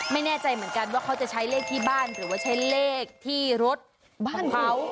ไม่แน่ใจเหมือนกันว่าเขาจะใช้เลขที่บ้านหรือว่าใช้เลขที่รถบ้านเขา